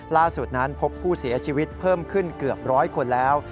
ล่าสุดนั้นพบผู้เสียชีวิตเพิ่มขึ้นเกือบร้อยคนแล้ว